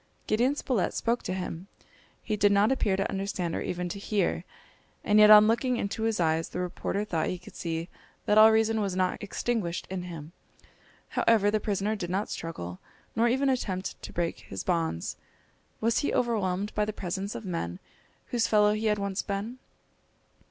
Gideon Spilett spoke to him. He did not appear to understand or even to hear. And yet on looking into his eyes, the reporter thought he could see that all reason was not extinguished in him. However, the prisoner did not struggle, nor even attempt to break his bonds. Was he overwhelmed by the presence of men whose fellow he had once been?